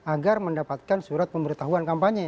agar mendapatkan surat pemberitahuan kampanye